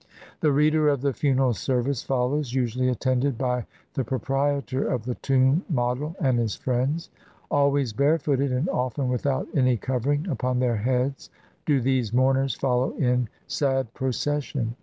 The reader of the funeral service follows, usually attended by the proprietor of the tomb model and his friends. Always barefooted, and often without any covering upon their heads, do these mourners follow in sad pro cession.